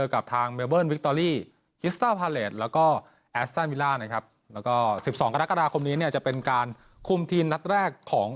แล้วก็๑๒กรกฎาคมนี้เนี่ยจะเป็นการคุมทีมนัดแรกของ